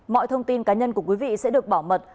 mọi thông tin cá nhân của quý vị sẽ được bảo mật